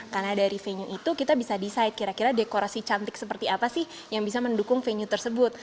karena dari venue itu kita bisa decide kira kira dekorasi cantik seperti apa sih yang bisa mendukung venue tersebut